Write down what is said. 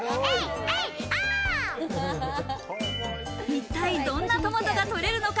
一体どんなトマトが取れるのか？